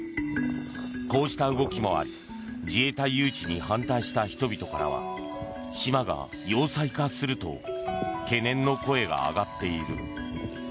こうした動きもあり自衛隊誘致に反対した人々からは島が要塞化すると懸念の声が上がっている。